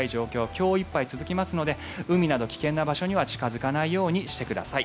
今日いっぱい続きますので海など危険な場所には近付かないようにしてください。